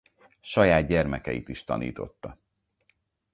Saját gyermekeit is tanította.